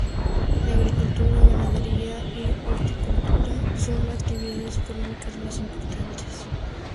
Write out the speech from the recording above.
La agricultura, ganadería y horticultura son sus actividades económicas más importantes.